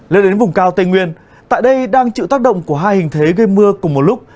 lên đến vùng cao tây nguyên tại đây đang chịu tác động của hai hình thế gây mưa cùng một lúc